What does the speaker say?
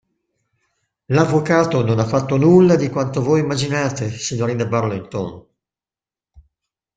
L'avvocato non ha fatto nulla di quanto voi immaginate, signorina Burlington!